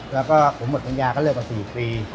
แล้วก็ผมเหมือนธรรมยาก็เลือกมา๔ปี